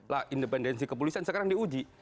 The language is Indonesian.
lah independensi kepolisian sekarang diuji